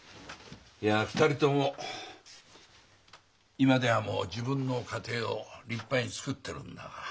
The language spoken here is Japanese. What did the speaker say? ２人とも今では自分の家庭を立派につくっているんだが。